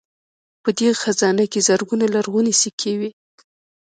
په دې خزانه کې زرګونه لرغونې سکې وې